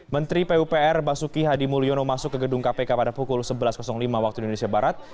menteri pupr basuki hadi mulyono masuk ke gedung kpk pada pukul sebelas lima waktu indonesia barat